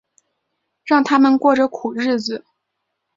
让他们过着苦日子